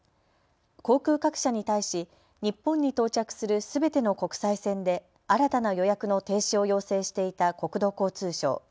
航空各社に対し日本に到着するすべての国際線で新たな予約の停止を要請していた国土交通省。